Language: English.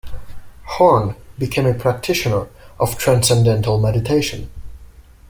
Horn became a practitioner of Transcendental Meditation.